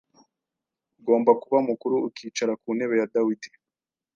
Ugomba kuba mukuru ukicara ku ntebe ya Dawidi,